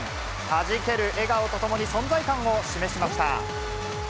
はじける笑顔とともに、存在感を示しました。